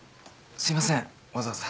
すいませんわざわざ。